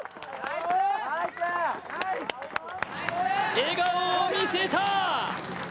笑顔を見せた。